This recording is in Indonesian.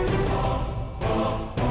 nanti kalah pak